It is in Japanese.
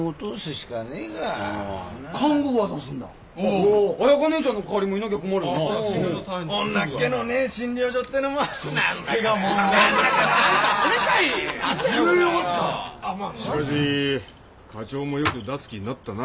しかし課長もよく出す気になったな。